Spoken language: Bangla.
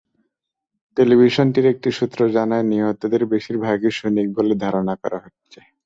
টেলিভিশনটির একটি সূত্র জানায়, নিহতদের বেশির ভাগই সৈনিক বলে ধারণা করা হচ্ছে।